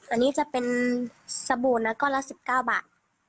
อันนี้จะเป็นสบู่นะก้อนละ๑๙บาท